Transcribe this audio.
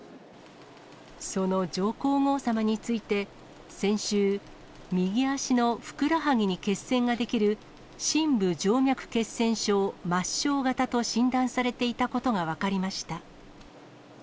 その上皇后さまについて、先週、右足のふくらはぎに血栓が出来る、深部静脈血栓症・末しょう型と診断されていたことが分かりました。